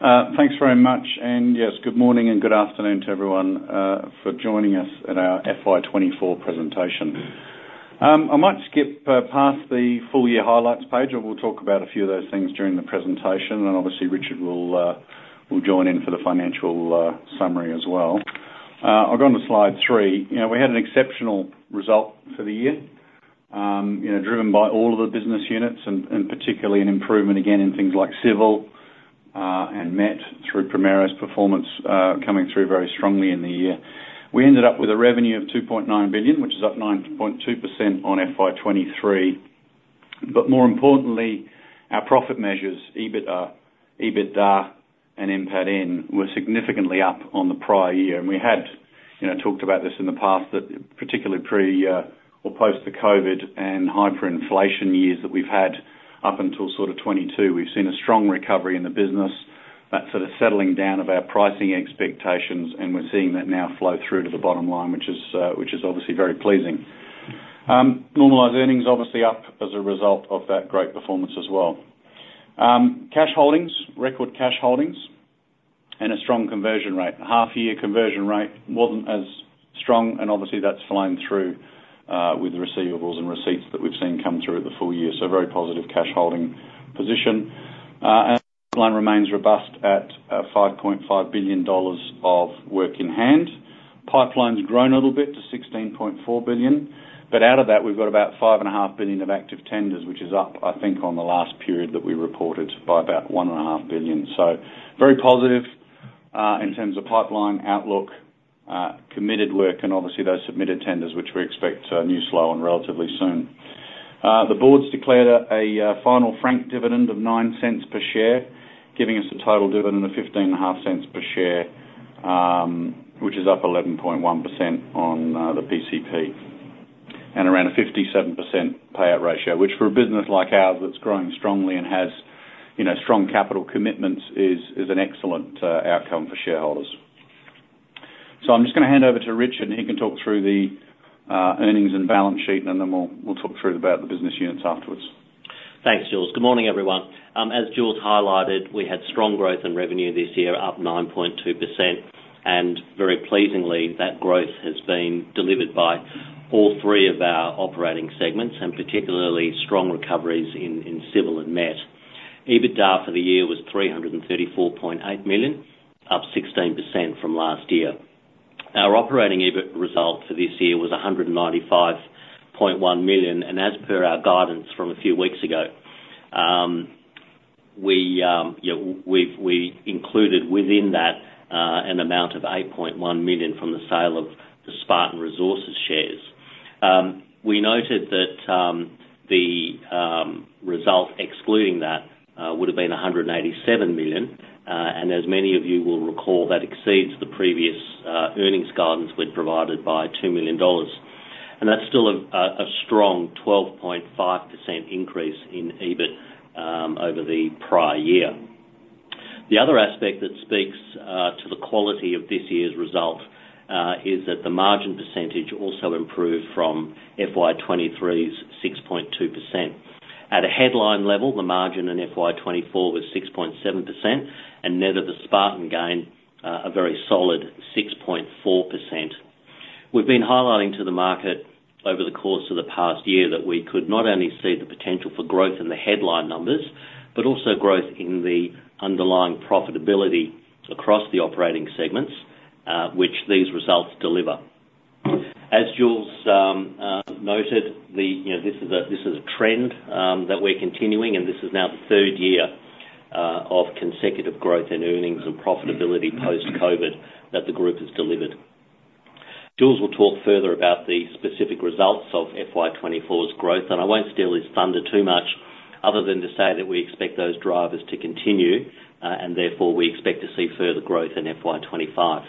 Thanks very much, and yes, good morning and good afternoon to everyone for joining us at our FY 2024 presentation. I might skip past the full year highlights page, and we'll talk about a few of those things during the presentation, and obviously, Richard will join in for the financial summary as well. I'll go on to slide 3. You know, we had an exceptional result for the year, you know, driven by all of the business units, and particularly an improvement again in things like civil and MET through Primero's performance coming through very strongly in the year. We ended up with a revenue of 2.9 billion, which is up 9.2% on FY 2023. But more importantly, our profit measures, EBIT, EBITDA and NPATN, were significantly up on the prior year. We had, you know, talked about this in the past, that particularly pre, or post the COVID and hyperinflation years that we've had up until sort of 2022. We've seen a strong recovery in the business, that sort of settling down of our pricing expectations, and we're seeing that now flow through to the bottom line, which is, which is obviously very pleasing. Normalized earnings, obviously up as a result of that great performance as well. Cash holdings, record cash holdings and a strong conversion rate. Half-year conversion rate wasn't as strong, and obviously, that's flowing through, with the receivables and receipts that we've seen come through the full year. So very positive cash holding position. And line remains robust at 5.5 billion dollars of work in hand. Pipeline's grown a little bit to 16.4 billion, but out of that, we've got about 5.5 billion of active tenders, which is up, I think, on the last period that we reported by about 1.5 billion. So very positive, in terms of pipeline outlook, committed work, and obviously, those submitted tenders, which we expect, news flow on relatively soon. The board's declared a final franked dividend of 0.09 per share, giving us a total dividend of 0.155 per share, which is up 11.1% on the PCP. And around a 57% payout ratio, which for a business like ours that's growing strongly and has, you know, strong capital commitments, is an excellent outcome for shareholders. I'm just gonna hand over to Richard, and he can talk through the earnings and balance sheet, and then we'll talk through about the business units afterwards. Thanks, Jules. Good morning, everyone. As Jules highlighted, we had strong growth in revenue this year, up 9.2%, and very pleasingly, that growth has been delivered by all three of our operating segments, and particularly strong recoveries in civil and MET. EBITDA for the year was 334.8 million, up 16% from last year. Our operating EBIT result for this year was 195.1 million, and as per our guidance from a few weeks ago, we've included within that an amount of 8.1 million from the sale of the Spartan Resources shares. We noted that the result, excluding that, would have been 187 million, and as many of you will recall, that exceeds the previous earnings guidance we'd provided by 2 million dollars. That's still a strong 12.5% increase in EBIT over the prior year. The other aspect that speaks to the quality of this year's result is that the margin percentage also improved from FY 2023's 6.2%. At a headline level, the margin in FY 2024 was 6.7%, and net of the Spartan gain, a very solid 6.4%. We've been highlighting to the market over the course of the past year that we could not only see the potential for growth in the headline numbers, but also growth in the underlying profitability across the operating segments, which these results deliver. As Jules noted, you know, this is a trend that we're continuing, and this is now the third year of consecutive growth in earnings and profitability post-COVID that the group has delivered. Jules will talk further about the specific results of FY 2024's growth, and I won't steal his thunder too much, other than to say that we expect those drivers to continue, and therefore we expect to see further growth in FY 2025.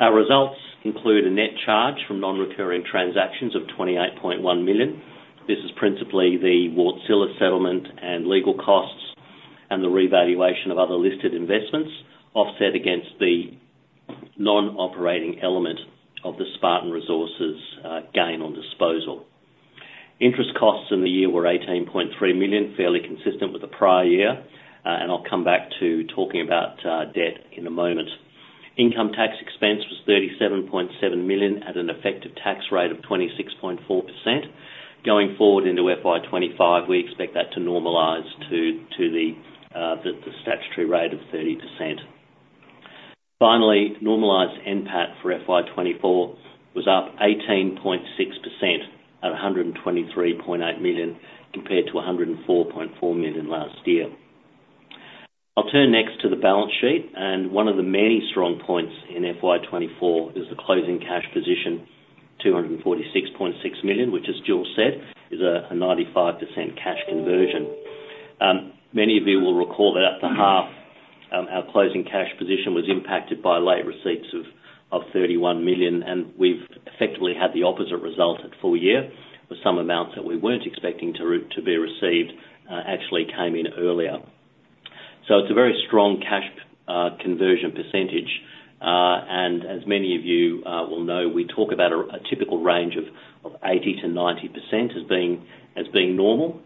Our results include a net charge from non-recurring transactions of 28.1 million. This is principally the Wärtsilä settlement and legal costs, and the revaluation of other listed investments, offset against the non-operating element of the Spartan Resources gain on disposal. Interest costs in the year were 18.3 million, fairly consistent with the prior year, and I'll come back to talking about debt in a moment. Income tax expense was 37.7 million, at an effective tax rate of 26.4%. Going forward into FY 2025, we expect that to normalize to the statutory rate of 30%. Finally, normalized NPAT for FY 2024 was up 18.6% at 123.8 million, compared to 104.4 million last year. I'll turn next to the balance sheet, and one of the many strong points in FY 2024 is the closing cash position, 246.6 million, which, as Jules said, is a 95% cash conversion. Many of you will recall that at the half, our closing cash position was impacted by late receipts of 31 million, and we've effectively had the opposite result at full year. With some amounts that we weren't expecting to be received, actually came in earlier. So it's a very strong cash conversion percentage. And as many of you will know, we talk about a typical range of 80%-90% as being normal.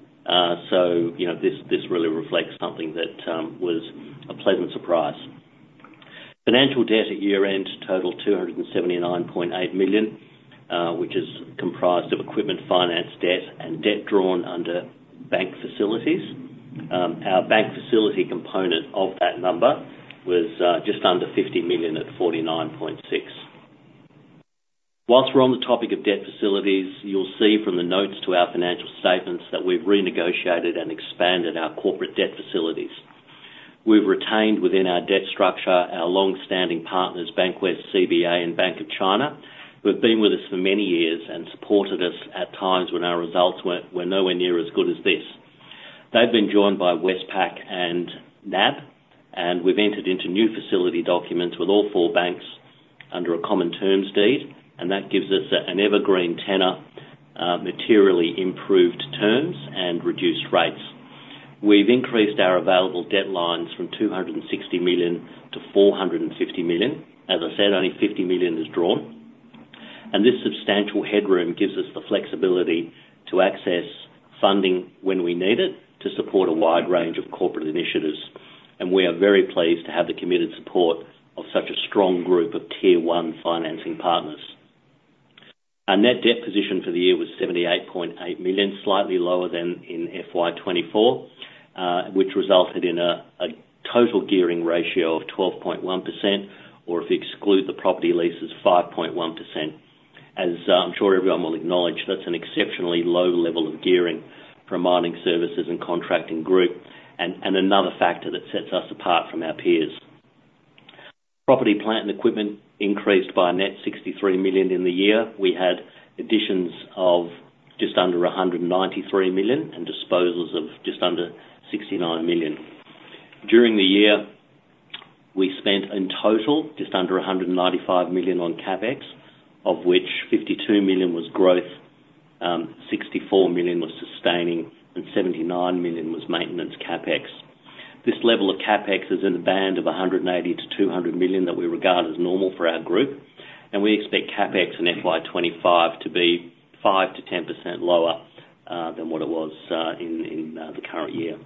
So, you know, this really reflects something that was a pleasant surprise. Financial debt at year-end totaled 279.8 million, which is comprised of equipment, finance, debt, and debt drawn under bank facilities. Our bank facility component of that number was just under 50 million at 49.6 million. While we're on the topic of debt facilities, you'll see from the notes to our financial statements that we've renegotiated and expanded our corporate debt facilities. We've retained within our debt structure, our long-standing partners, Bankwest, CBA, and Bank of China, who have been with us for many years and supported us at times when our results were nowhere near as good as this. They've been joined by Westpac and NAB, and we've entered into new facility documents with all four banks under a common terms deed, and that gives us an evergreen tenor, materially improved terms and reduced rates. We've increased our available debt lines from 260 million to 450 million. As I said, only 50 million is drawn. This substantial headroom gives us the flexibility to access funding when we need it, to support a wide range of corporate initiatives. We are very pleased to have the committed support of such a strong group of Tier 1 financing partners. Our net debt position for the year was 78.8 million, slightly lower than in FY 2024, which resulted in a total gearing ratio of 12.1%, or if you exclude the property leases, 5.1%. As I'm sure everyone will acknowledge, that's an exceptionally low level of gearing for a mining services and contracting group, and another factor that sets us apart from our peers. Property, plant, and equipment increased by a net 63 million in the year. We had additions of just under 193 million, and disposals of just under 69 million. During the year, we spent in total just under 195 million on CapEx, of which 52 million was growth, 64 million was sustaining, and 79 million was maintenance CapEx. This level of CapEx is in a band of 180 million-200 million that we regard as normal for our group, and we expect CapEx in FY 2025 to be 5%-10% lower than what it was in the current year.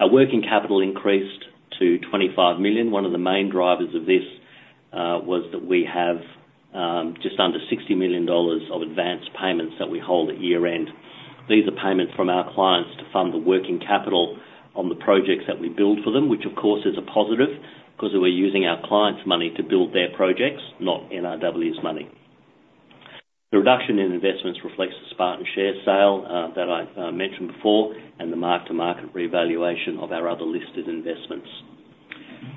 Our working capital increased to 25 million. One of the main drivers of this was that we have just under 60 million dollars of advanced payments that we hold at year-end. These are payments from our clients to fund the working capital on the projects that we build for them, which of course, is a positive, 'cause we're using our clients' money to build their projects, not NRW's money. The reduction in investments reflects the Spartan share sale that I mentioned before, and the mark-to-market revaluation of our other listed investments.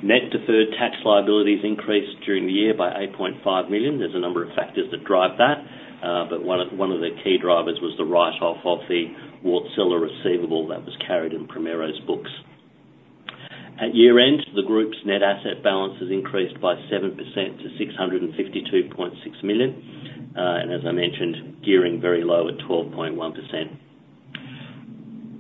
Net deferred tax liabilities increased during the year by 8.5 million. There's a number of factors that drive that, but one of the key drivers was the write-off of the Wärtsilä receivable that was carried in Primero's books. At year-end, the group's net asset balance has increased by 7% to 652.6 million. And as I mentioned, gearing very low at 12.1%.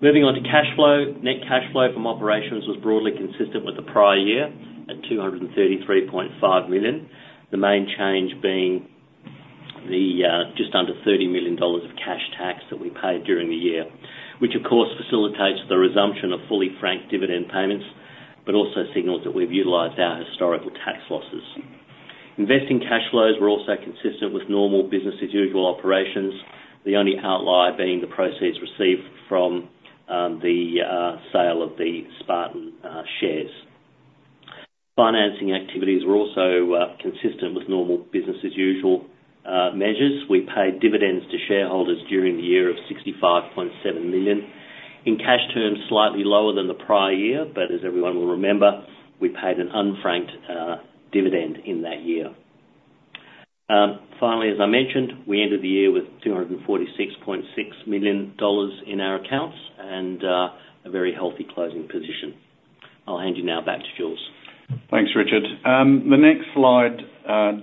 Moving on to cash flow. Net cash flow from operations was broadly consistent with the prior year at 233.5 million. The main change being the just under 30 million dollars of cash tax that we paid during the year, which of course facilitates the resumption of fully franked dividend payments, but also signals that we've utilized our historical tax losses. Investing cash flows were also consistent with normal business-as-usual operations, the only outlier being the proceeds received from the sale of the Spartan shares. Financing activities were also consistent with normal business-as-usual measures. We paid dividends to shareholders during the year of 65.7 million. In cash terms, slightly lower than the prior year, but as everyone will remember, we paid an unfranked dividend in that year. Finally, as I mentioned, we ended the year with 246.6 million dollars in our accounts and a very healthy closing position. I'll hand you now back to Jules. Thanks, Richard. The next slide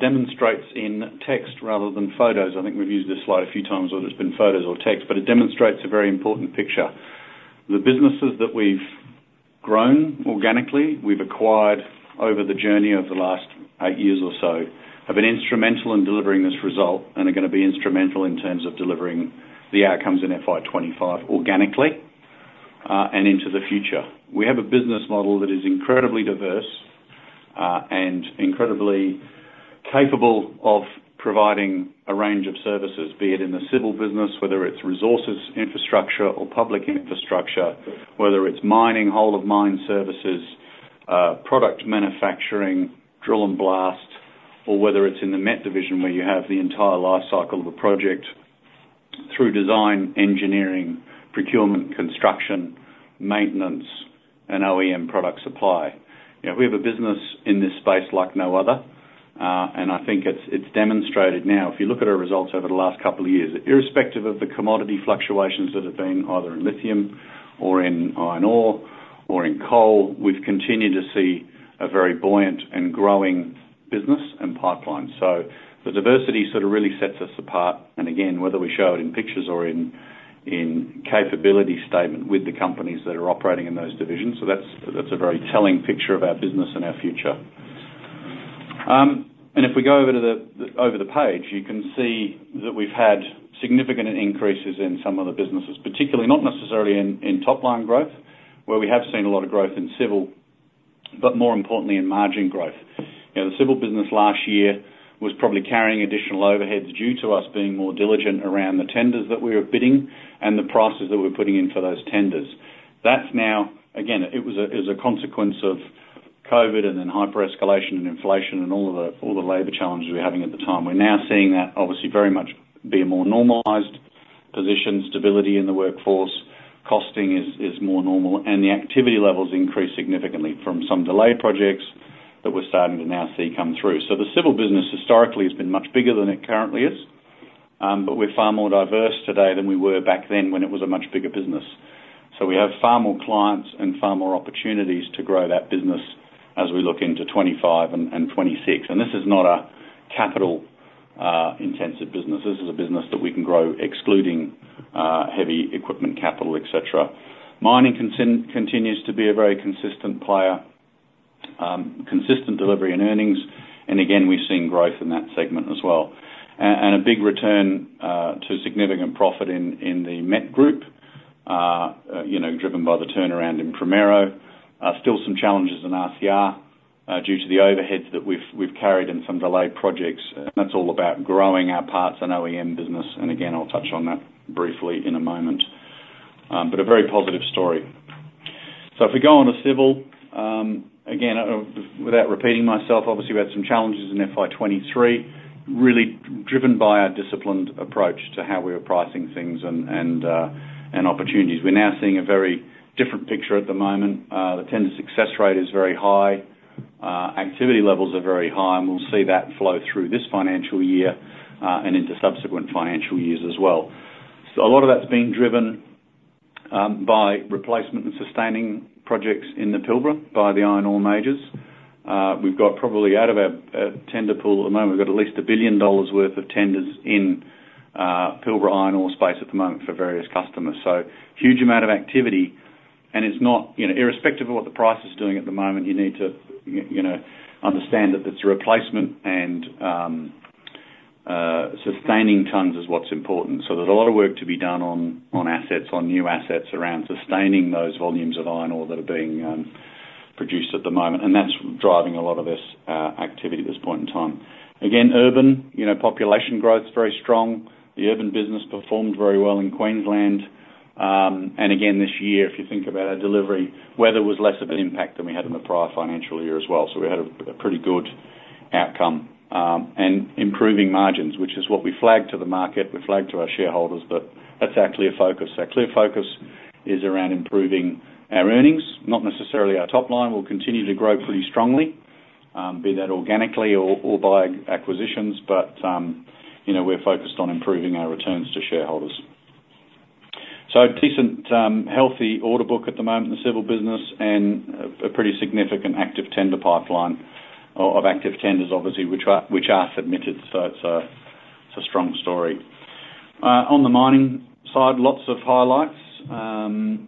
demonstrates in text rather than photos. I think we've used this slide a few times, whether it's been photos or text, but it demonstrates a very important picture. The businesses that we've grown organically, we've acquired over the journey of the last eight years or so, have been instrumental in delivering this result and are gonna be instrumental in terms of delivering the outcomes in FY 25 organically, and into the future. We have a business model that is incredibly diverse, and incredibly capable of providing a range of services, be it in the civil business, whether it's resources, infrastructure or public infrastructure, whether it's mining, whole of mine services, product manufacturing, drill and blast, or whether it's in the MET division where you have the entire life cycle of a project through design, engineering, procurement, construction, maintenance, and OEM product supply. You know, we have a business in this space like no other, and I think it's demonstrated now. If you look at our results over the last couple of years, irrespective of the commodity fluctuations that have been either in lithium or in iron ore, or in coal, we've continued to see a very buoyant and growing business and pipeline. So the diversity sort of really sets us apart, and again, whether we show it in pictures or in capability statement with the companies that are operating in those divisions. So that's, that's a very telling picture of our business and our future. If we go over to the, over the page, you can see that we've had significant increases in some of the businesses, particularly not necessarily in top line growth, where we have seen a lot of growth in civil, but more importantly, in margin growth. You know, the civil business last year was probably carrying additional overheads due to us being more diligent around the tenders that we were bidding and the prices that we're putting in for those tenders. That's now, again, it was as a consequence of COVID, and then hyper escalation, and inflation, and all of the, all the labor challenges we're having at the time. We're now seeing that obviously very much be a more normalized position, stability in the workforce. Costing is more normal, and the activity levels increased significantly from some delayed projects that we're starting to now see come through. So the civil business historically has been much bigger than it currently is, but we're far more diverse today than we were back then when it was a much bigger business. So we have far more clients and far more opportunities to grow that business as we look into 2025 and 2026. And this is not a capital intensive business. This is a business that we can grow, excluding heavy equipment, capital, et cetera. Mining continues to be a very consistent player, consistent delivery and earnings, and again, we've seen growth in that segment as well. And a big return to significant profit in the MET group, you know, driven by the turnaround in Primero. Still some challenges in RCR, due to the overheads that we've carried in some delayed projects, and that's all about growing our parts and OEM business, and again, I'll touch on that briefly in a moment. But a very positive story. So if we go on to civil, again, without repeating myself, obviously, we had some challenges in FY 2023, really driven by our disciplined approach to how we were pricing things and opportunities. We're now seeing a very different picture at the moment. The tender success rate is very high. Activity levels are very high, and we'll see that flow through this financial year, and into subsequent financial years as well. So a lot of that's being driven by replacement and sustaining projects in the Pilbara by the iron ore majors. We've got probably out of our tender pool at the moment, we've got at least 1 billion dollars worth of tenders in Pilbara iron ore space at the moment for various customers. So huge amount of activity, and it's not, you know, irrespective of what the price is doing at the moment, you need to, you know, understand that it's replacement and sustaining tons is what's important. So there's a lot of work to be done on, on assets, on new assets, around sustaining those volumes of iron ore that are being, produced at the moment, and that's driving a lot of this, activity at this point in time. Again, urban, you know, population growth is very strong. The urban business performed very well in Queensland. And again, this year, if you think about our delivery, weather was less of an impact than we had in the prior financial year as well. So we had a pretty good outcome, and improving margins, which is what we flagged to the market, we flagged to our shareholders. But that's our clear focus. Our clear focus is around improving our earnings, not necessarily our top line. We'll continue to grow pretty strongly, be that organically or by acquisitions, but, you know, we're focused on improving our returns to shareholders. So a decent, healthy order book at the moment in the civil business and a pretty significant active tender pipeline of active tenders, obviously, which are submitted. So it's a strong story. On the mining side, lots of highlights.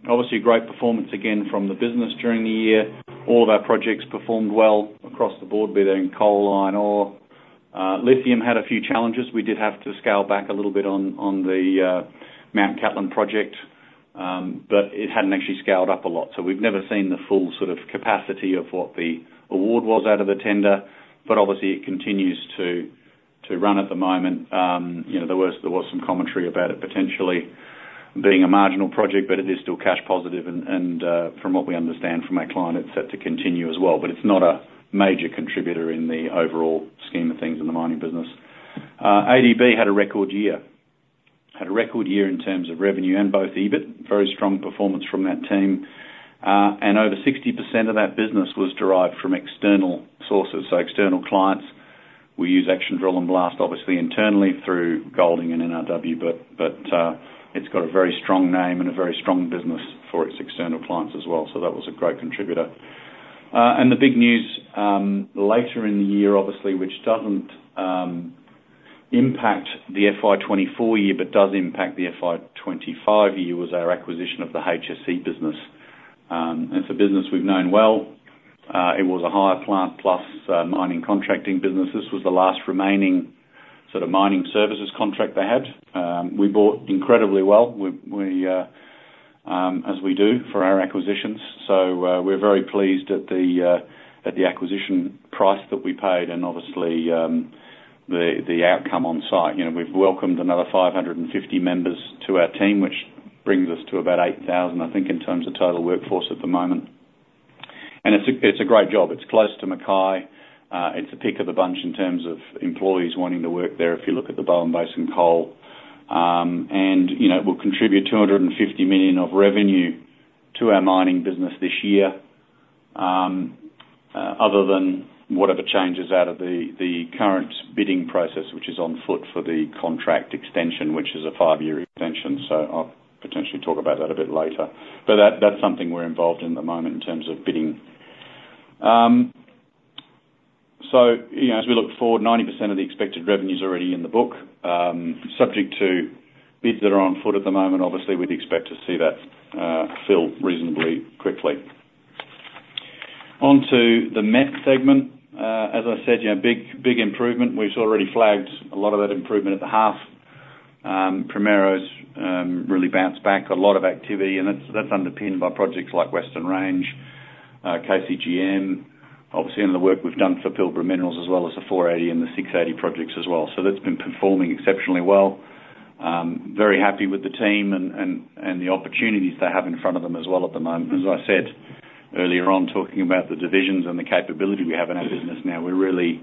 Obviously, a great performance again from the business during the year. All of our projects performed well across the board, be that in coal, iron ore. Lithium had a few challenges. We did have to scale back a little bit on the Mount Cattlin project, but it hadn't actually scaled up a lot, so we've never seen the full sort of capacity of what the award was out of the tender. But obviously, it continues to run at the moment. You know, there was some commentary about it potentially being a marginal project, but it is still cash positive, and from what we understand from our client, it's set to continue as well. But it's not a major contributor in the overall scheme of things in the mining business. ADB had a record year. Had a record year in terms of revenue and both EBIT. Very strong performance from that team, and over 60% of that business was derived from external sources, so external clients. We use Action Drill and Blast, obviously internally through Golding and NRW, but it's got a very strong name and a very strong business for its external clients as well. So that was a great contributor. And the big news later in the year, obviously, which doesn't impact the FY 2024 year but does impact the FY 2025 year, was our acquisition of the HSE business. It's a business we've known well. It was a hire plant plus mining contracting business. This was the last remaining sort of mining services contract they had. We bought incredibly well, we as we do for our acquisitions. So, we're very pleased at the, at the acquisition price that we paid and obviously the outcome on site. You know, we've welcomed another 550 members to our team, which brings us to about 8,000, I think, in terms of total workforce at the moment. And it's a great job. It's close to Mackay. It's the pick of the bunch in terms of employees wanting to work there, if you look at the Bowen Basin Coal. And, you know, it will contribute 250 million of revenue to our mining business this year. Other than whatever changes out of the current bidding process, which is on foot for the contract extension, which is a five-year extension, so I'll potentially talk about that a bit later. But that, that's something we're involved in at the moment in terms of bidding. So, you know, as we look forward, 90% of the expected revenue is already in the book, subject to bids that are on foot at the moment. Obviously, we'd expect to see that fill reasonably quickly. On to the MET segment. As I said, you know, big, big improvement. We've already flagged a lot of that improvement at the half. Primero's really bounced back a lot of activity, and that's, that's underpinned by projects like Western Range, KCGM, obviously, and the work we've done for Pilbara Minerals, as well as the 480 and the 680 projects as well. So that's been performing exceptionally well. Very happy with the team and the opportunities they have in front of them as well at the moment. As I said earlier on, talking about the divisions and the capability we have in our business now, we really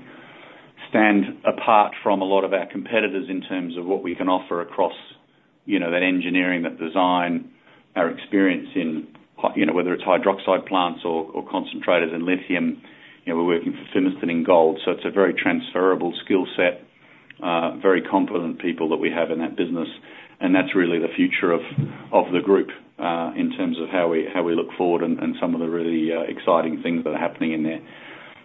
stand apart from a lot of our competitors in terms of what we can offer across, you know, that engineering, that design, our experience in, you know, whether it's hydroxide plants or, or concentrators in lithium. You know, we're working for Spartan in gold, so it's a very transferable skill set, very competent people that we have in that business, and that's really the future of the group, in terms of how we look forward and some of the really exciting things that are happening in there.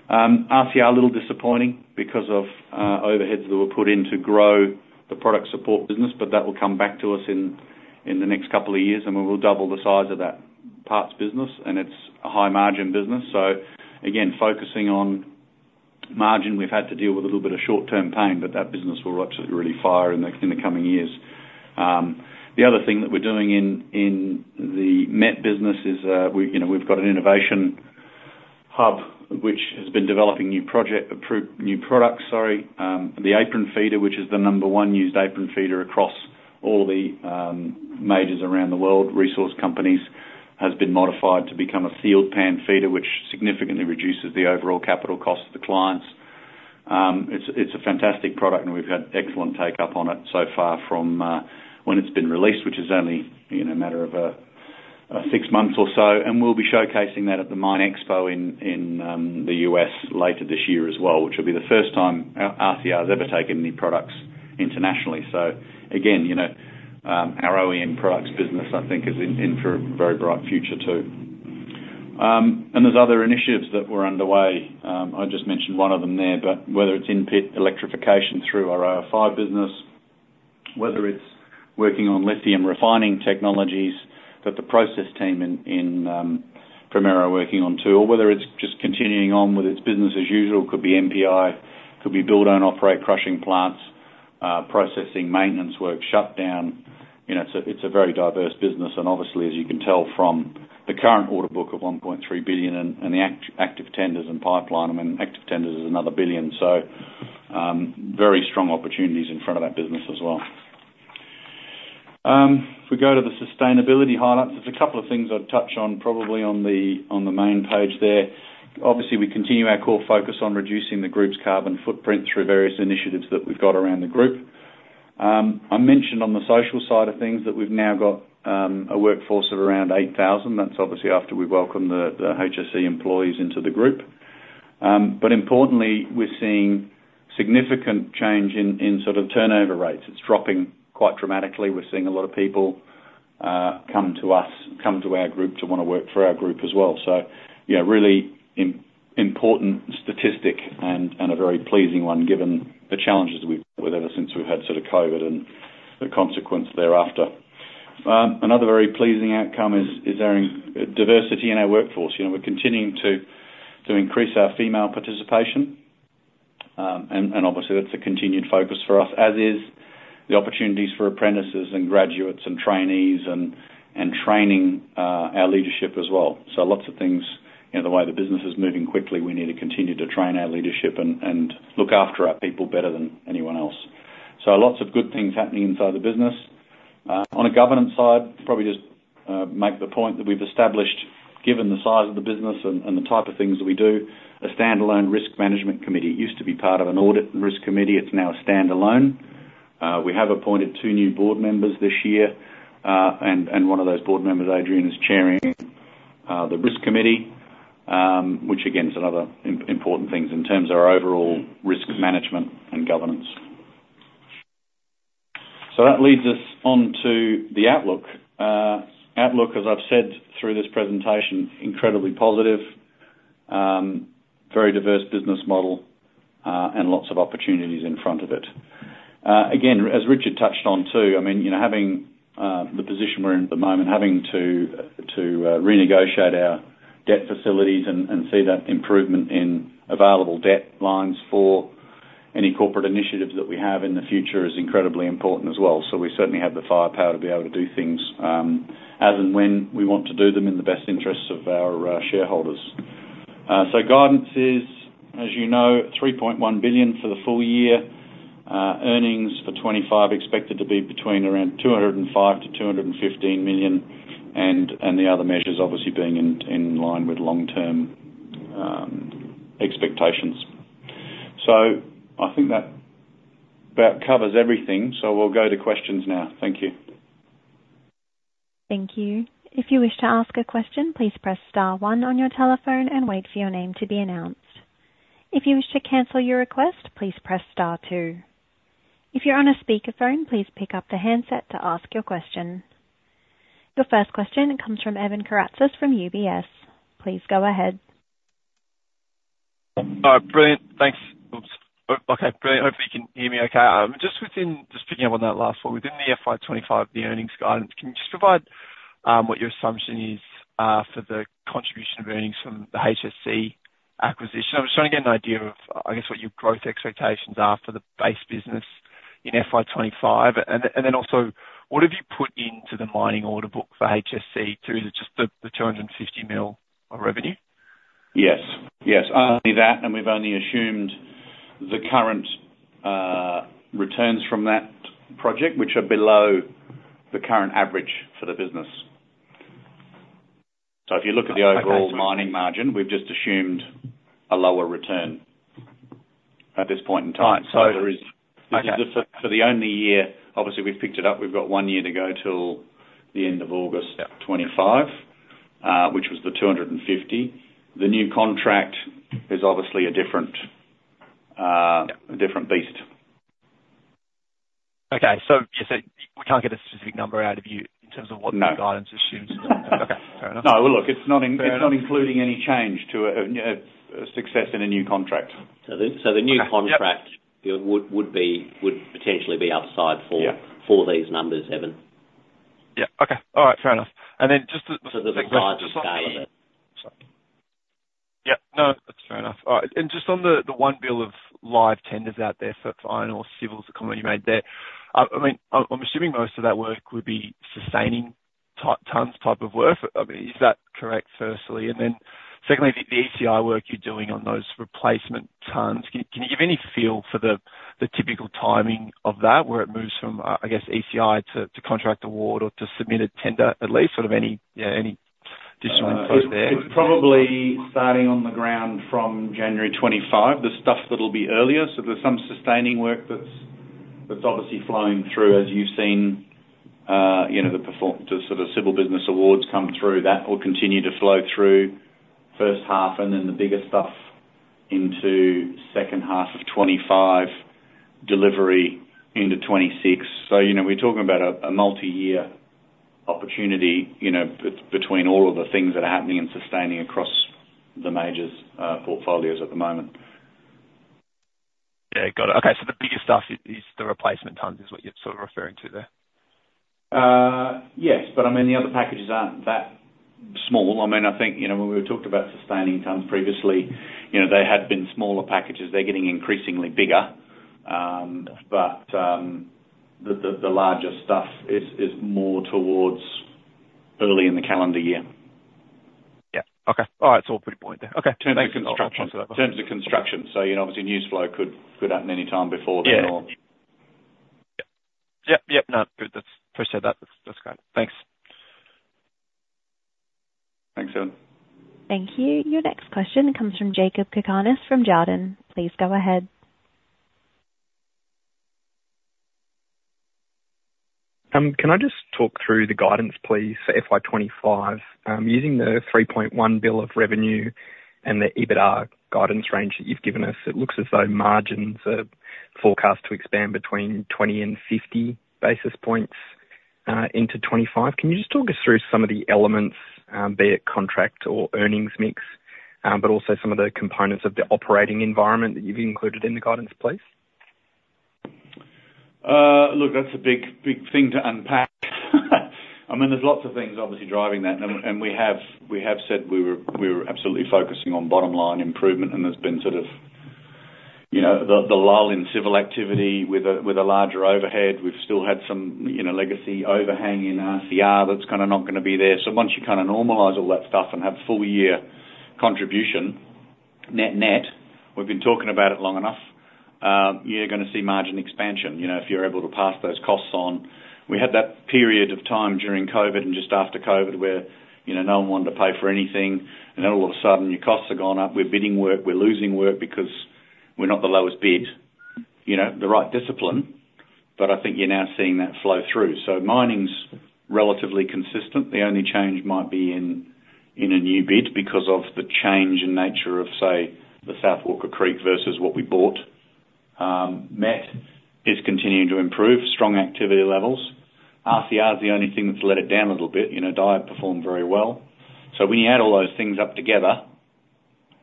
RCR, a little disappointing because of overheads that were put in to grow the product support business, but that will come back to us in the next couple of years, and we will double the size of that parts business, and it's a high-margin business. So again, focusing on margin, we've had to deal with a little bit of short-term pain, but that business will absolutely really fire in the coming years. The other thing that we're doing in the MET business is, you know, we've got an innovation hub which has been developing new products, sorry. The apron feeder, which is the number one used apron feeder across all the majors around the world, resource companies, has been modified to become a sealed pan feeder, which significantly reduces the overall capital cost to the clients. It's a fantastic product, and we've had excellent take-up on it so far from when it's been released, which is only, you know, a matter of six months or so. We'll be showcasing that at the MINExpo in the U.S. later this year as well, which will be the first time RCR has ever taken any products internationally. So again, you know, our OEM products business, I think is in for a very bright future, too. And there's other initiatives that were underway. I just mentioned one of them there, but whether it's in-pit electrification through our OFI business, whether it's working on lithium refining technologies that the process team in Primero are working on too, or whether it's just continuing on with its business as usual, could be NPI, could be build-own-operate crushing plants, processing, maintenance work, shutdown. You know, it's a very diverse business, and obviously, as you can tell from the current order book of 1.3 billion and the active tenders and pipeline, I mean, active tenders is another 1 billion. So, very strong opportunities in front of that business as well. If we go to the sustainability highlights, there's a couple of things I'd touch on, probably on the main page there. Obviously, we continue our core focus on reducing the group's carbon footprint through various initiatives that we've got around the group. I mentioned on the social side of things that we've now got a workforce of around 8,000. That's obviously after we welcome the HSE employees into the group. But importantly, we're seeing significant change in sort of turnover rates. It's dropping quite dramatically. We're seeing a lot of people come to us, come to our group to wanna work for our group as well. So yeah, really important statistic and a very pleasing one, given the challenges we've had ever since we've had sort of COVID and the consequence thereafter. Another very pleasing outcome is our diversity in our workforce. You know, we're continuing to increase our female participation, and obviously, that's a continued focus for us, as is the opportunities for apprentices and graduates, and trainees, and training our leadership as well. So lots of things, you know, the way the business is moving quickly, we need to continue to train our leadership and look after our people better than anyone else. So lots of good things happening inside the business. On a governance side, probably just make the point that we've established, given the size of the business and the type of things that we do, a standalone risk management committee. It used to be part of an audit and risk committee. It's now a standalone. We have appointed two new board members this year, and one of those board members, Adrian, is chairing the risk committee, which again, is another important things in terms of our overall risk management and governance. So that leads us on to the outlook. Outlook, as I've said through this presentation, incredibly positive, very diverse business model, and lots of opportunities in front of it. Again, as Richard touched on too, I mean, you know, having the position we're in at the moment, having to renegotiate our debt facilities and see that improvement in available debt lines for any corporate initiatives that we have in the future is incredibly important as well. So we certainly have the firepower to be able to do things, as and when we want to do them in the best interests of our, shareholders. So guidance is, as you know, 3.1 billion for the full year. Earnings for 2025, expected to be between around 205 to 215 million, and the other measures obviously being in, in line with long-term, expectations. So I think that about covers everything. So we'll go to questions now. Thank you. Thank you. If you wish to ask a question, please press star one on your telephone and wait for your name to be announced. If you wish to cancel your request, please press star two. If you're on a speakerphone, please pick up the handset to ask your question.... The first question comes from Evan Karatzas from UBS. Please go ahead. Brilliant. Thanks. Okay, brilliant. Hopefully you can hear me okay. Just picking up on that last one, within the FY 2025 earnings guidance, can you just provide what your assumption is for the contribution of earnings from the HSE acquisition? I'm just trying to get an idea of, I guess, what your growth expectations are for the base business in FY 2025. And then also, what have you put into the mining order book for HSE through the 250 million of revenue? Yes, yes. Only that, and we've only assumed the current returns from that project, which are below the current average for the business. So if you look at the overall mining margin, we've just assumed a lower return at this point in time. Right. So- There is- Okay. For the only year, obviously, we've picked it up. We've got one year to go till the end of August 2025, which was the 250. The new contract is obviously a different, Yeah... a different beast. Okay, so you said we can't get a specific number out of you in terms of what- No The guidance assumes? Okay, fair enough. No, well, look, it's not in- Fair enough... It's not including any change to a success in a new contract. So the new contract- Okay, yep... would potentially be upside for- Yeah for these numbers, Evan. Yeah. Okay. All right, fair enough. And then just the- So the guidance- Sorry. Yep. No, that's fair enough. And just on the one billion live tenders out there for iron ore civils, the comment you made there. I mean, I'm assuming most of that work would be sustaining type, tons type of work. I mean, is that correct, firstly? And then secondly, the ECI work you're doing on those replacement tons, can you give any feel for the typical timing of that, where it moves from, I guess, ECI to contract award or to submitted tender, at least? Sort of any, yeah, any additional input there? It's probably starting on the ground from January 2025, the stuff that'll be earlier. So there's some sustaining work that's obviously flowing through, as you've seen, you know, the sort of civil business awards come through. That will continue to flow through first half, and then the bigger stuff into second half of 2025, delivery into 2026. So, you know, we're talking about a multi-year opportunity, you know, between all of the things that are happening and sustaining across the majors' portfolios at the moment. Yeah. Got it. Okay. So the bigger stuff is, is the replacement tons, is what you're sort of referring to there? Yes, but I mean, the other packages aren't that small. I mean, I think, you know, when we talked about sustaining tons previously, you know, they had been smaller packages. They're getting increasingly bigger, but the larger stuff is more towards early in the calendar year. Yeah. Okay. All right, so a good point there. Okay. In terms of construction. Thanks. In terms of construction. So, you know, obviously, news flow could happen any time before then or- Yeah. Yep, yep, yep. No, good. That's, appreciate that. That's, that's great. Thanks. Thanks, Evan. Thank you. Your next question comes from Jakob Cakarnis, from Jarden. Please go ahead. Can I just talk through the guidance, please, for FY 25? Using the 3.1 billion of revenue and the EBITDA guidance range that you've given us, it looks as though margins are forecast to expand between 20 and 50 basis points into 25. Can you just talk us through some of the elements, be it contract or earnings mix, but also some of the components of the operating environment that you've included in the guidance, please? Look, that's a big, big thing to unpack. I mean, there's lots of things obviously driving that, and we have said we were absolutely focusing on bottom line improvement, and there's been sort of, you know, the lull in civil activity with a larger overhead. We've still had some, you know, legacy overhang in RCR that's kinda not gonna be there. So once you kinda normalize all that stuff and have full year contribution, net-net, we've been talking about it long enough, you're gonna see margin expansion, you know, if you're able to pass those costs on. We had that period of time during COVID and just after COVID, where, you know, no one wanted to pay for anything, and then all of a sudden, your costs have gone up. We're bidding work, we're losing work because we're not the lowest bid, you know, the right discipline. But I think you're now seeing that flow through. So mining's relatively consistent. The only change might be in a new bid because of the change in nature of, say, the South Walker Creek versus what we bought. MET is continuing to improve strong activity levels. RCR is the only thing that's let it down a little bit, you know, they've performed very well. So when you add all those things up together,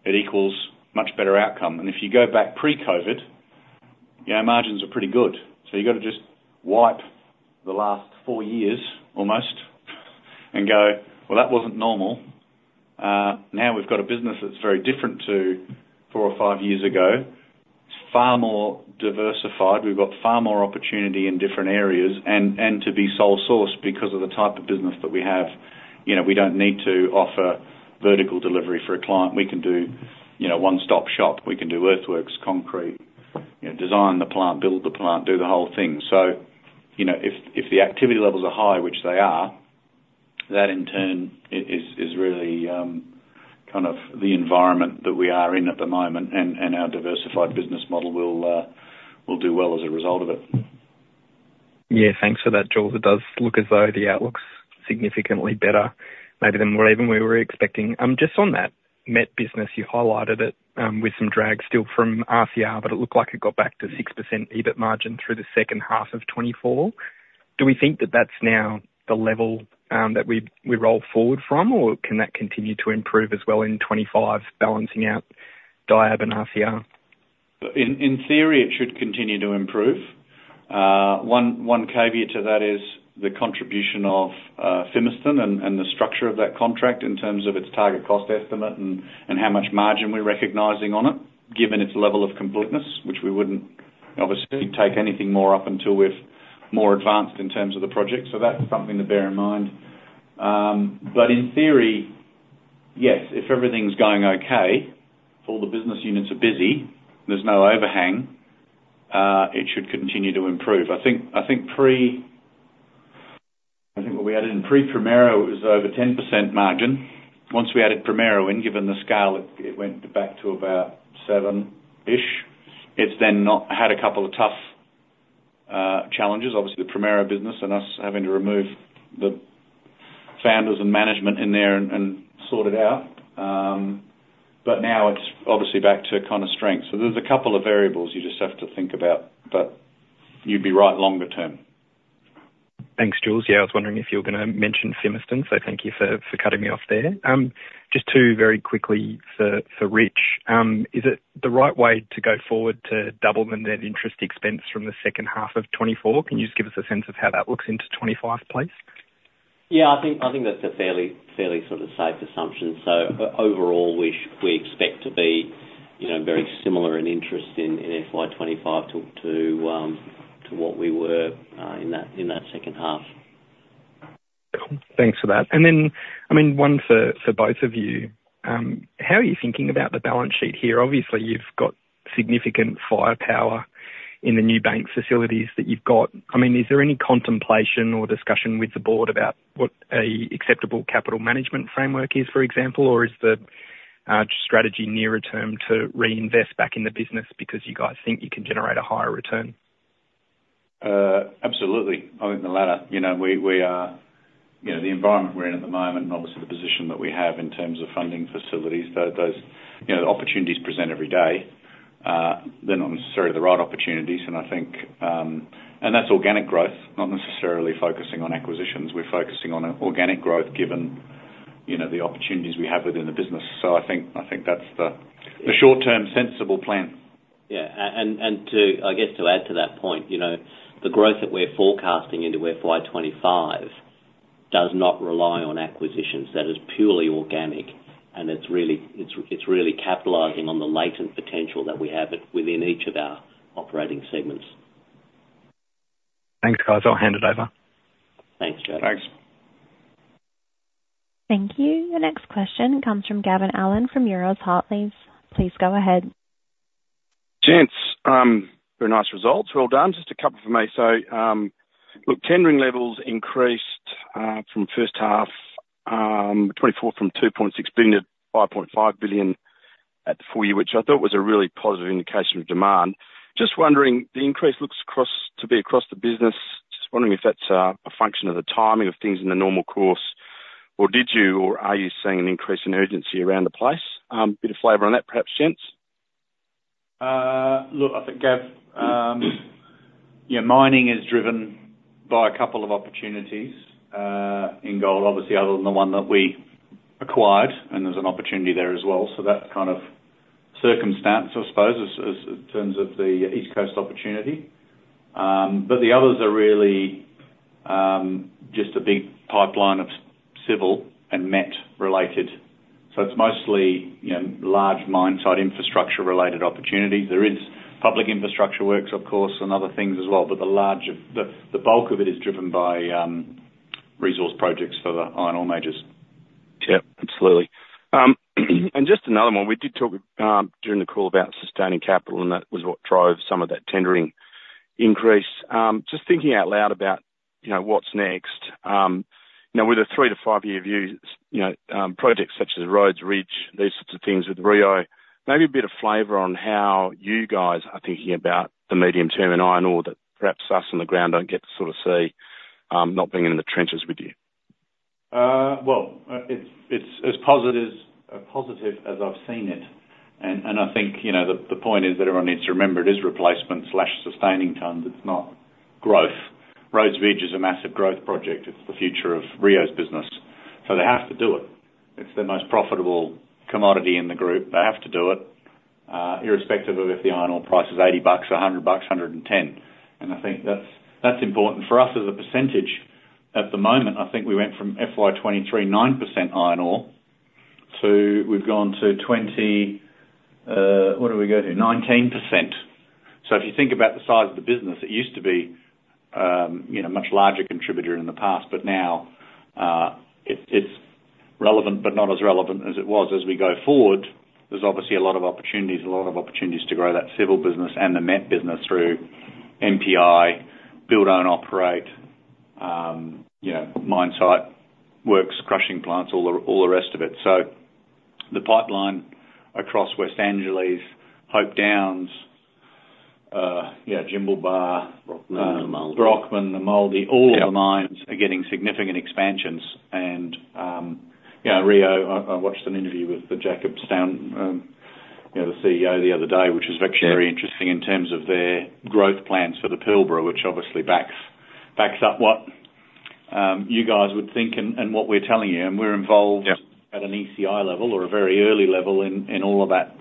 it equals much better outcome. And if you go back pre-COVID, you know, margins are pretty good. So you got to just wipe the last four years almost, and go, "Well, that wasn't normal." Now we've got a business that's very different to four or five years ago. It's far more diversified. We've got far more opportunity in different areas and to be sole sourced because of the type of business that we have. You know, we don't need to offer vertical delivery for a client. We can do, you know, one-stop-shop. We can do earthworks, concrete, you know, design the plant, build the plant, do the whole thing. So, you know, if the activity levels are high, which they are, that in turn is really kind of the environment that we are in at the moment, and our diversified business model will do well as a result of it. Yeah, thanks for that, Joel. It does look as though the outlook's significantly better maybe than what even we were expecting. Just on that MET business, you highlighted it, with some drag still from RCR, but it looked like it got back to 6% EBIT margin through the second half of 2024. Do we think that that's now the level that we roll forward from? Or can that continue to improve as well in 2025, balancing out DIAB and RCR? In theory, it should continue to improve. One caveat to that is the contribution of Fimiston and the structure of that contract in terms of its target cost estimate and how much margin we're recognizing on it, given its level of completeness, which we wouldn't obviously take anything more up until we're more advanced in terms of the project. So that's something to bear in mind. But in theory, yes, if everything's going okay, if all the business units are busy, there's no overhang, it should continue to improve. I think what we added in pre-Primero is over 10% margin. Once we added Primero in, given the scale, it went back to about seven-ish. It's then not had a couple of tough challenges, obviously the Primero business and us having to remove the founders and management in there and, and sort it out. But now it's obviously back to kind of strength. So there's a couple of variables you just have to think about, but you'd be right longer term. Thanks, Jules. Yeah, I was wondering if you were gonna mention Fimiston, so thank you for cutting me off there. Just two very quickly for Rich. Is it the right way to go forward to double the net interest expense from the second half of 2024? Can you just give us a sense of how that looks into 2025, please? Yeah, I think, I think that's a fairly, fairly sort of safe assumption. So overall, we expect to be, you know, very similar in interest in, in FY 25 to, to, to what we were, in that, in that second half. Thanks for that. And then, I mean, one for, for both of you. How are you thinking about the balance sheet here? Obviously, you've got significant firepower in the new bank facilities that you've got. I mean, is there any contemplation or discussion with the board about what an acceptable capital management framework is, for example? Or is the strategy near term to reinvest back in the business because you guys think you can generate a higher return? Absolutely. I think the latter. You know, we, we are... You know, the environment we're in at the moment, and obviously, the position that we have in terms of funding facilities, those, you know, opportunities present every day, they're not necessarily the right opportunities. And I think, and that's organic growth, not necessarily focusing on acquisitions. We're focusing on organic growth, given, you know, the opportunities we have within the business. So I think, I think that's the, the short-term sensible plan. Yeah. And to add to that point, you know, the growth that we're forecasting into FY 25 does not rely on acquisitions. That is purely organic, and it's really, it's, it's really capitalizing on the latent potential that we have at, within each of our operating segments. Thanks, guys. I'll hand it over. Thanks, James. Thanks. Thank you. The next question comes from Gavin Allen, from Euroz Hartleys. Please go ahead. Gents, very nice results. Well done. Just a couple from me. So, look, tendering levels increased from first half 2024 from 2.6 billion-5.5 billion at the full year, which I thought was a really positive indication of demand. Just wondering, the increase looks to be across the business. Just wondering if that's a function of the timing of things in the normal course, or did you or are you seeing an increase in urgency around the place? Bit of flavor on that, perhaps, gents. Look, I think, Gav, yeah, mining is driven by a couple of opportunities, in gold, obviously, other than the one that we acquired, and there's an opportunity there as well. So that's kind of circumstance, I suppose, as in terms of the East Coast opportunity. But the others are really, just a big pipeline of civil and met-related. So it's mostly, you know, large mine site, infrastructure-related opportunities. There is public infrastructure works, of course, and other things as well, but the bulk of it is driven by, resource projects for the iron ore majors. Yeah, absolutely. And just another one. We did talk, during the call about sustaining capital, and that was what drove some of that tendering increase. Just thinking out loud about, you know, what's next. You know, with a 3-5-year view, you know, projects such as Rhodes Ridge, these sorts of things with Rio, maybe a bit of flavor on how you guys are thinking about the medium term in iron ore that perhaps us on the ground don't get to sort of see, not being in the trenches with you. Well, it's as positive as I've seen it. And I think, you know, the point is that everyone needs to remember it is replacement/sustaining tons. It's not growth. Rhodes Ridge is a massive growth project. It's the future of Rio's business, so they have to do it. It's the most profitable commodity in the group. They have to do it, irrespective of if the iron ore price is $80 or $100, $110. And I think that's important for us as a percentage. At the moment, I think we went from FY 2023, 9% iron ore, to we've gone to 20, what did we go to? 19%. So if you think about the size of the business, it used to be, you know, a much larger contributor in the past, but now, it's, it's relevant, but not as relevant as it was. As we go forward, there's obviously a lot of opportunities, a lot of opportunities to grow that civil business and the MET business through NPI, build, own, operate, you know, mine site works, crushing plants, all the, all the rest of it. So the pipeline across West Angelas, Hope Downs, yeah, Jimblebar- Brockman and Nammuldi. Brockman, Nammuldi. Yeah. All the mines are getting significant expansions. And, yeah, Rio, I watched an interview with the Jakob Stausholm, you know, the CEO the other day, which was- Yeah... actually very interesting in terms of their growth plans for the Pilbara, which obviously backs up what you guys would think and what we're telling you, and we're involved- Yep At an ECI level or a very early level in all of that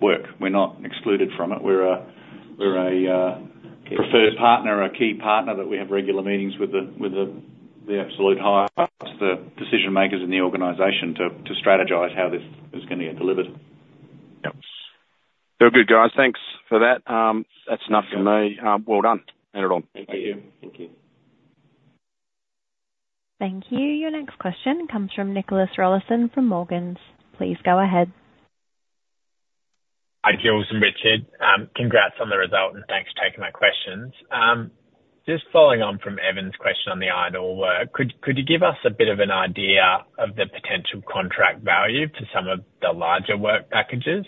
work. We're not excluded from it. We're a preferred partner or a key partner that we have regular meetings with the absolute highest, the decision makers in the organization to strategize how this is gonna get delivered. Yep. Very good, guys. Thanks for that. That's enough from me. Well done. End it all. Thank you. Thank you. Thank you. Your next question comes from Nicholas Rawlinson from Morgans. Please go ahead. Hi, Jules and Richard. Congrats on the result, and thanks for taking my questions. Just following on from Evan's question on the iron ore work, could you give us a bit of an idea of the potential contract value to some of the larger work packages?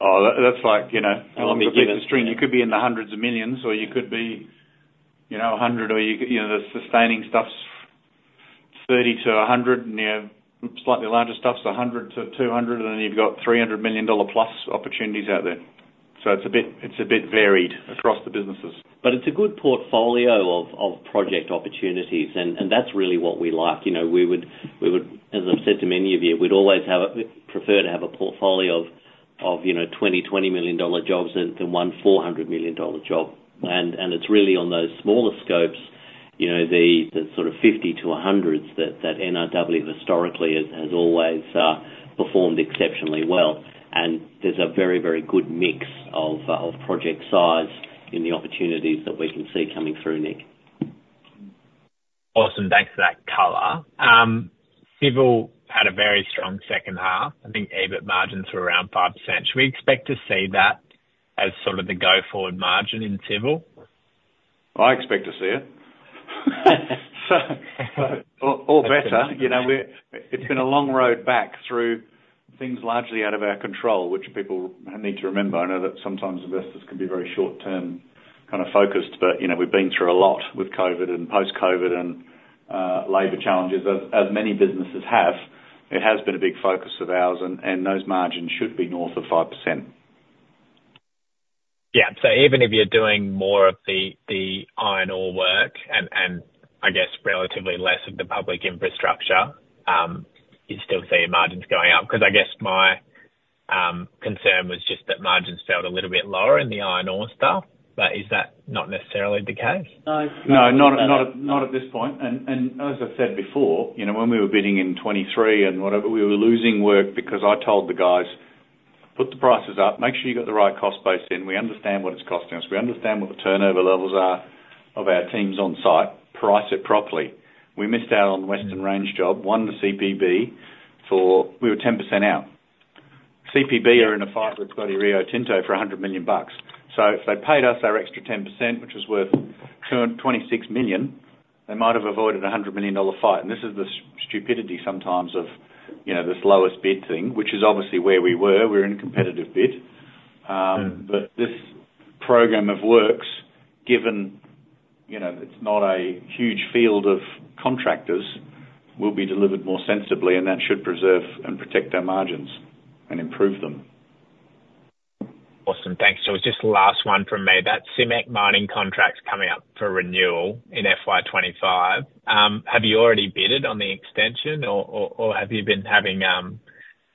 Oh, that, that's like, you know, on the string, you could be in the AUD hundreds of millions, or you could be, you know, 100 million, or you, you know, the sustaining stuff's 30 million-100 million, and you have slightly larger stuff's 100 million-200 million, and you've got 300 million dollar+ opportunities out there. So it's a bit, it's a bit varied across the businesses. But it's a good portfolio of project opportunities, and that's really what we like. You know, we would, as I've said to many of you, we'd always prefer to have a portfolio of, you know, 20 20 million dollar jobs than one 400 million dollar job. And it's really on those smaller scopes, you know, the sort of 50 to 100s that NRW historically has always performed exceptionally well. And there's a very, very good mix of project size in the opportunities that we can see coming through, Nick. Awesome. Thanks for that color. Civil had a very strong second half. I think EBIT margins were around 5%. Should we expect to see that as sort of the go-forward margin in Civil? I expect to see it. Or better, you know, we're. It's been a long road back through things largely out of our control, which people need to remember. I know that sometimes investors can be very short-term kind of focused, but, you know, we've been through a lot with COVID and post-COVID and, labor challenges, as many businesses have. It has been a big focus of ours, and those margins should be north of 5%. Yeah. So even if you're doing more of the iron ore work and I guess relatively less of the public infrastructure, you still see your margins going up? 'Cause I guess my concern was just that margins felt a little bit lower in the iron ore stuff, but is that not necessarily the case? No- No, not at this point. And as I said before, you know, when we were bidding in 2023 and whatever, we were losing work because I told the guys, "Put the prices up. Make sure you got the right cost base in. We understand what it's costing us. We understand what the turnover levels are of our teams on site. Price it properly." We missed out on Western Range job, won the CPB. We were 10% out. CPB are in a fight with bloody Rio Tinto for 100 million bucks. So if they paid us our extra 10%, which was worth 226 million, they might have avoided a 100 million dollar fight. And this is the stupidity sometimes of, you know, this lowest bid thing, which is obviously where we were. We're in a competitive bid. But this program of works, given, you know, it's not a huge field of contractors, will be delivered more sensibly, and that should preserve and protect our margins and improve them. Awesome. Thanks, Jules. Just the last one from me. That SIMEC mining contract's coming up for renewal in FY 25. Have you already bid on the extension or have you been having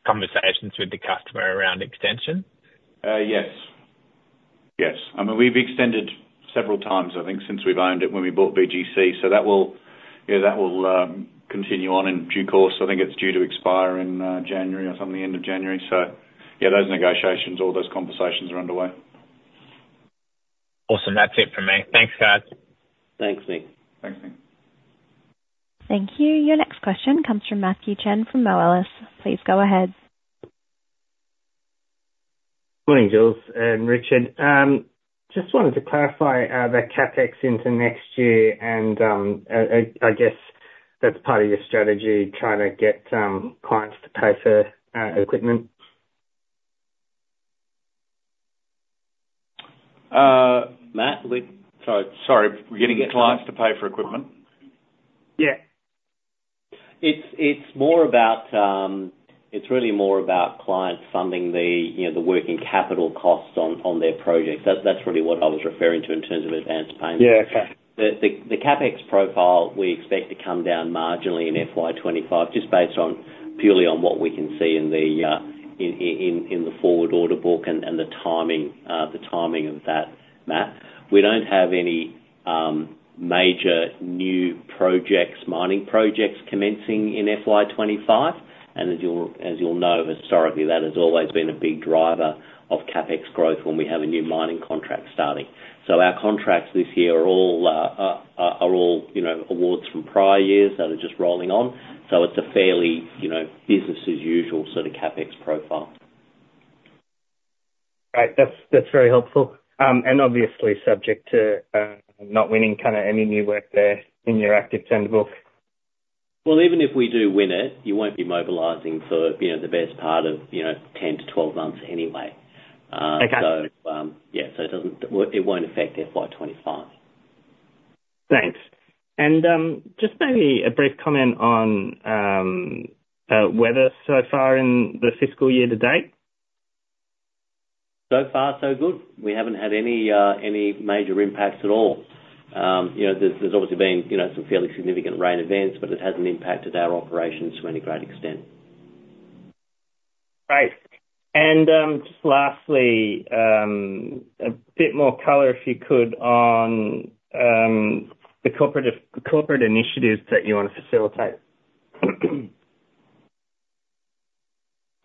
conversations with the customer around extension? Yes. Yes. I mean, we've extended several times, I think, since we've owned it, when we bought BGC. So that will... Yeah, that will continue on in due course. I think it's due to expire in January or something, the end of January. So yeah, those negotiations or those conversations are underway. Awesome. That's it for me. Thanks, guys. Thanks, Nick. Thanks, Nick. Thank you. Your next question comes from Matthew Chen from Bell Potter. Please go ahead. Morning, Jules and Richard. Just wanted to clarify the CapEx into next year, and I guess that's part of your strategy, trying to get clients to pay for equipment? Matt, sorry, sorry, getting clients to pay for equipment? Yeah. It's more about. It's really more about clients funding the, you know, the working capital costs on their projects. That's really what I was referring to in terms of advanced payments. Yeah, okay. The CapEx profile we expect to come down marginally in FY 25, just based on, purely on what we can see in the forward order book and the timing of that, Matt. We don't have any major new projects, mining projects commencing in FY 25. As you'll know, historically, that has always been a big driver of CapEx growth when we have a new mining contract starting. So our contracts this year are all you know, awards from prior years that are just rolling on. So it's a fairly you know, business as usual sort of CapEx profile. Right. That's, that's very helpful. And obviously subject to not winning kind of any new work there in your active tender book?... Well, even if we do win it, you won't be mobilizing for, you know, the best part of, you know, 10-12 months anyway. Okay. So, it won't affect FY 25. Thanks. Just maybe a brief comment on weather so far in the fiscal year to date? So far, so good. We haven't had any major impacts at all. You know, there's obviously been, you know, some fairly significant rain events, but it hasn't impacted our operations to any great extent. Great. Just lastly, a bit more color, if you could, on the corporate initiatives that you want to facilitate.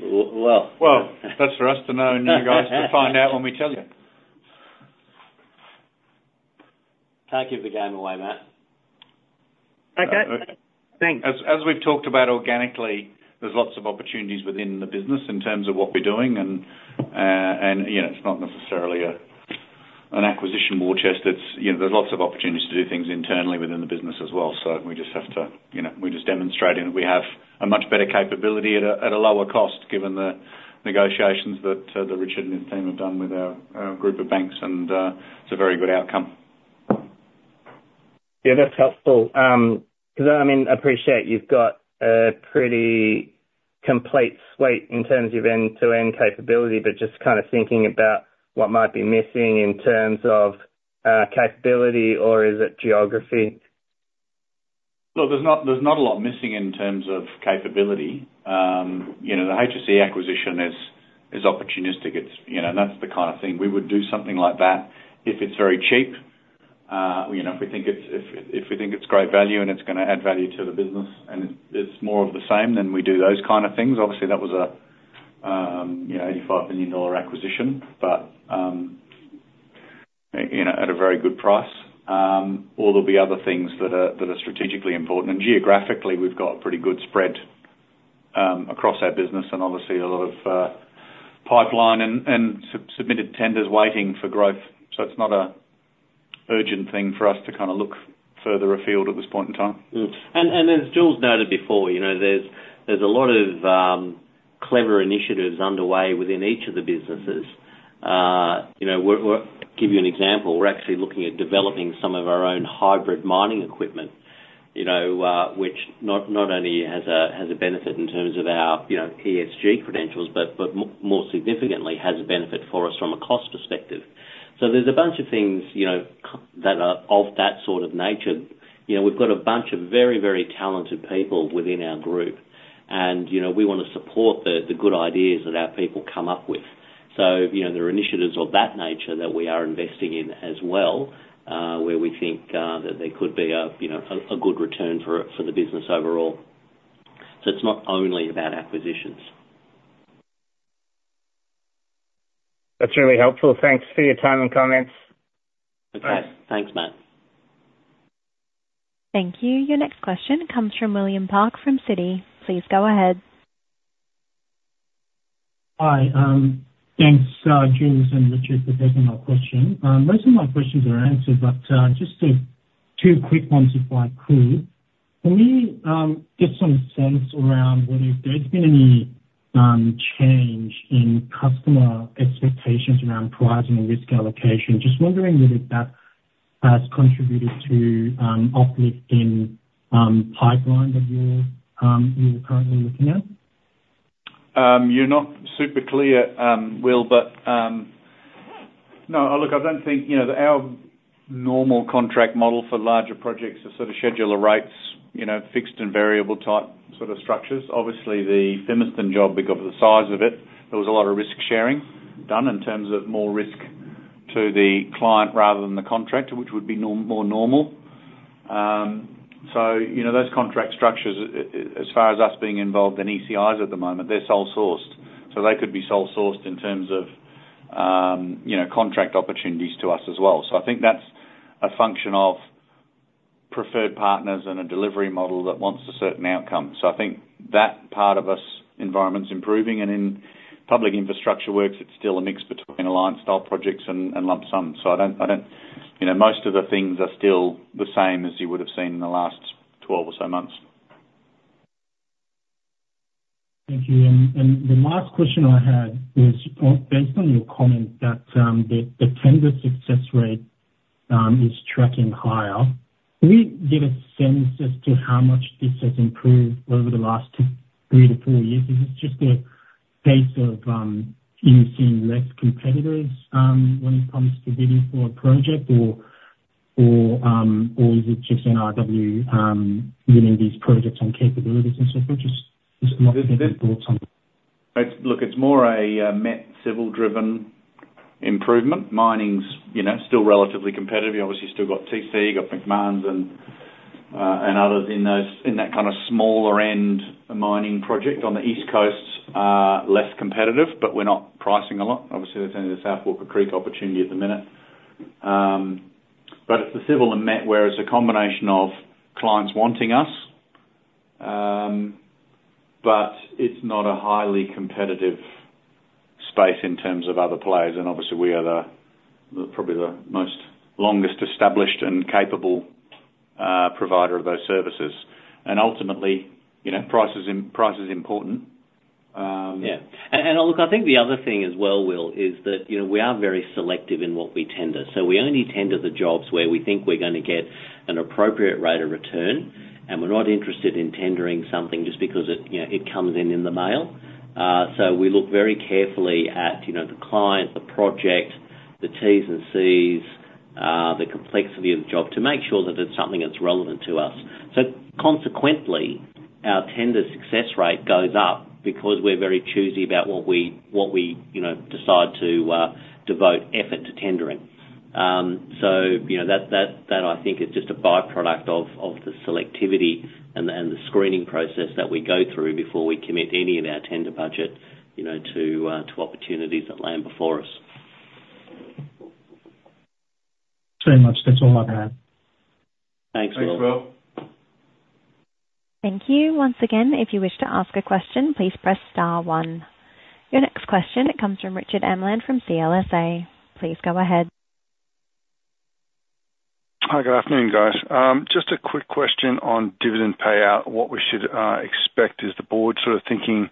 W- well- Well, that's for us to know and you guys to find out when we tell you. Can't give the game away, Matt. Okay, thanks. As we've talked about organically, there's lots of opportunities within the business in terms of what we're doing. And, you know, it's not necessarily an acquisition war chest. It's, you know, there's lots of opportunities to do things internally within the business as well. So we just have to, you know, we're just demonstrating that we have a much better capability at a lower cost, given the negotiations that Richard and his team have done with our group of banks, and it's a very good outcome. Yeah, that's helpful. 'Cause I mean, appreciate you've got a pretty complete suite in terms of end-to-end capability, but just kind of thinking about what might be missing in terms of, capability, or is it geography? Look, there's not a lot missing in terms of capability. You know, the HSE acquisition is opportunistic. It's, you know, and that's the kind of thing we would do something like that if it's very cheap, you know, if we think it's great value and it's gonna add value to the business, and it's more of the same, then we do those kind of things. Obviously, that was a, you know, AUD 85 million acquisition, but, you know, at a very good price. Or there'll be other things that are strategically important. And geographically, we've got pretty good spread across our business and obviously a lot of pipeline and submitted tenders waiting for growth. It's not an urgent thing for us to kinda look further afield at this point in time. And as Jules noted before, you know, there's a lot of clever initiatives underway within each of the businesses. You know, give you an example, we're actually looking at developing some of our own hybrid mining equipment, you know, which not only has a benefit in terms of our, you know, ESG credentials, but more significantly, has a benefit for us from a cost perspective. So there's a bunch of things, you know, that are of that sort of nature. You know, we've got a bunch of very, very talented people within our group, and, you know, we wanna support the good ideas that our people come up with. So, you know, there are initiatives of that nature that we are investing in as well, where we think that there could be a, you know, a good return for the business overall. So it's not only about acquisitions. That's really helpful. Thanks for your time and comments. Okay. Thanks, Matt. Thank you. Your next question comes from William Park, from Citi. Please go ahead. Hi. Thanks, Jules and Richard, for taking my question. Most of my questions are answered, but just two quick ones, if I could. Can we get some sense around whether there's been any change in customer expectations around pricing and risk allocation? Just wondering whether that has contributed to uplift in pipeline that you're currently looking at. You're not super clear, Will, but... No, look, I don't think, you know, that our normal contract model for larger projects are sort of schedule of rates, you know, fixed and variable type sort of structures. Obviously, the Thornlie-Cockburn job, because of the size of it, there was a lot of risk-sharing done in terms of more risk to the client rather than the contractor, which would be more normal. So, you know, those contract structures, as far as us being involved in ECIs at the moment, they're sole sourced, so they could be sole sourced in terms of, you know, contract opportunities to us as well. So I think that's a function of preferred partners and a delivery model that wants a certain outcome. So I think that part of us, environment's improving, and in public infrastructure works, it's still a mix between alliance-style projects and lump sum. So I don't, you know, most of the things are still the same as you would have seen in the last 12 or so months. Thank you. And the last question I had was based on your comment that the tender success rate is tracking higher. Can we get a sense as to how much this has improved over the last two, three to four years? Is it just a base of you seeing less competitors when it comes to bidding for a project? Or is it just NRW winning these projects on capabilities and so forth? Just, just- It, it- want your thoughts on it. Look, it's more a MET civil-driven improvement. Mining's, you know, still relatively competitive. You've obviously still got Thiess, you've got Macmahon and and others in those, in that kind of smaller end mining project. On the East Coast, less competitive, but we're not pricing a lot. Obviously, there's only the South Walker Creek opportunity at the minute. But it's the civil and met, where it's a combination of clients wanting us but it's not a highly competitive space in terms of other players, and obviously, we are the, probably the most longest established and capable provider of those services. And ultimately, you know, price is important. Yeah. And look, I think the other thing as well, Will, is that, you know, we are very selective in what we tender. So we only tender the jobs where we think we're gonna get an appropriate rate of return, and we're not interested in tendering something just because it, you know, it comes in the mail. So we look very carefully at, you know, the client, the project, the T's and C's, the complexity of the job, to make sure that it's something that's relevant to us. So consequently, our tender success rate goes up because we're very choosy about what we, you know, decide to devote effort to tendering. So you know, that I think is just a by-product of the selectivity and the screening process that we go through before we commit any of our tender budget, you know, to opportunities that land before us. Thanks very much. That's all I have. Thanks, Will. Thanks, Will. Thank you. Once again, if you wish to ask a question, please press star one. Your next question comes from Richard Amling from CLSA. Please go ahead. Hi, good afternoon, guys. Just a quick question on dividend payout. What we should expect, is the board sort of thinking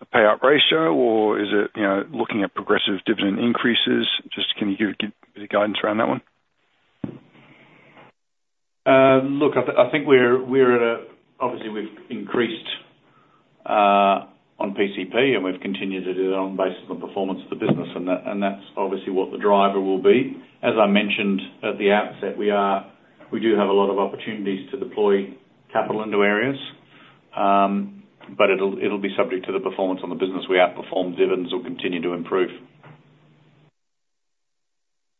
a payout ratio, or is it, you know, looking at progressive dividend increases? Just can you give a bit of guidance around that one? Look, I think we're at a... Obviously, we've increased on PCP, and we've continued to do it on the basis of the performance of the business, and that's obviously what the driver will be. As I mentioned at the outset, we do have a lot of opportunities to deploy capital into areas. But it'll be subject to the performance on the business. We outperform, dividends will continue to improve.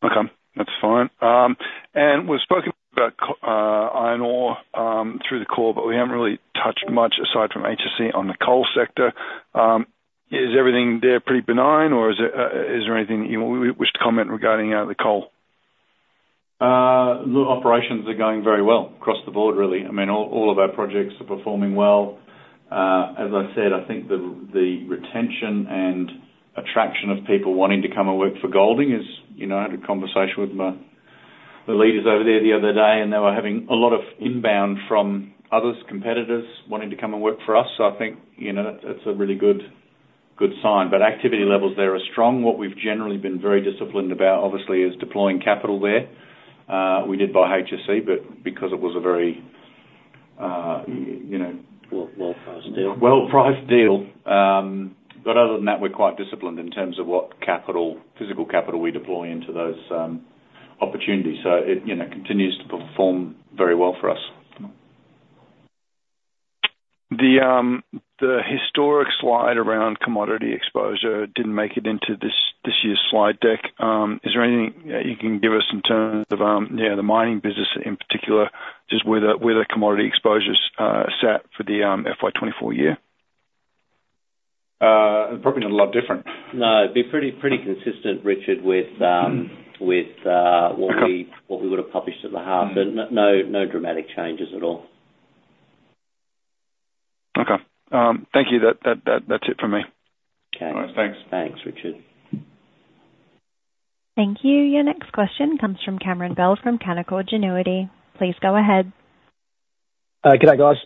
Okay, that's fine. And we've spoken about iron ore through the call, but we haven't really touched much, aside from HSE, on the coal sector. Is everything there pretty benign, or is there anything that you wish to comment regarding the coal? The operations are going very well across the board, really. I mean, all, all of our projects are performing well. As I said, I think the, the retention and attraction of people wanting to come and work for Golding is... You know, I had a conversation with my, the leaders over there the other day, and they were having a lot of inbound from others, competitors, wanting to come and work for us. So I think, you know, that's a really good, good sign. But activity levels there are strong. What we've generally been very disciplined about, obviously, is deploying capital there. We did buy HSE, but because it was a very, you know- Well, well-priced deal. Well-priced deal. Other than that, we're quite disciplined in terms of what capital, physical capital, we deploy into those opportunities. It, you know, continues to perform very well for us. The historic slide around commodity exposure didn't make it into this year's slide deck. Is there anything you can give us in terms of, you know, the mining business in particular, just where the commodity exposure's sat for the FY 2024 year? Probably not a lot different. No, it'd be pretty, pretty consistent, Richard, with- Mm-hmm ... with, Okay... what we would have published at the half. But no, no dramatic changes at all. Okay. Thank you. That's it for me. Okay. All right. Thanks. Thanks, Richard. Thank you. Your next question comes from Cameron Bell, from Canaccord Genuity. Please go ahead. Good day, guys.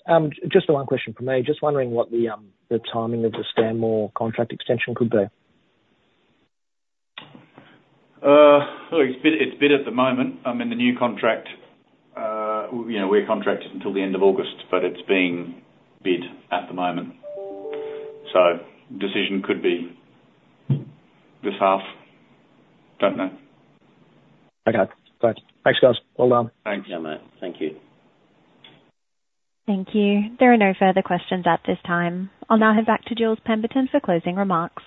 Just the one question from me. Just wondering what the, the timing of the Stanmore contract extension could be? Well, it's bid, it's bid at the moment. I mean, the new contract, you know, we're contracted until the end of August, but it's being bid at the moment. So decision could be this half. Don't know. Okay. Thanks. Thanks, guys. Well done. Thanks, Cameron. Thank you. Thank you. There are no further questions at this time. I'll now head back to Jules Pemberton for closing remarks.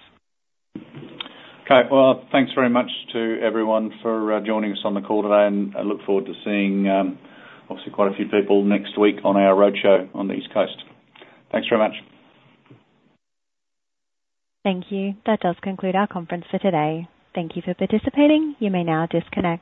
Okay. Well, thanks very much to everyone for joining us on the call today, and I look forward to seeing, obviously, quite a few people next week on our roadshow on the East Coast. Thanks very much. Thank you. That does conclude our conference for today. Thank you for participating. You may now disconnect.